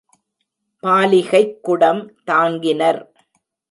பாலிகைக் குடம் தாங்கினர்.